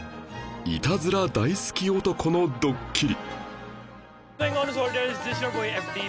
イタズラ大好き男のドッキリ